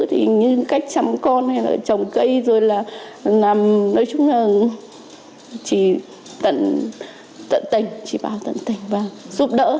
thì như cách chăm con hay là trồng cây rồi là làm nói chung là chỉ tận tình chỉ bảo tận tình và giúp đỡ